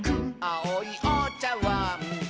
「あおいおちゃわん」